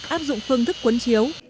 áp dụng phương thức cuốn chiếu